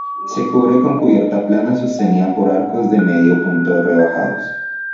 Se cubre con cubierta plana sostenida por arcos de medio punto rebajados.